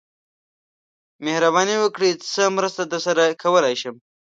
مهرباني وکړئ څه مرسته درسره کولای شم